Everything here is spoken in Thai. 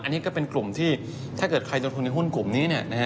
อันนี้ก็เป็นกลุ่มถ้าเกิดใครนั่งทุนในหุ้นกลุ่มนี้เนี่ย